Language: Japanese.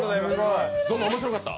ぞの、面白かった？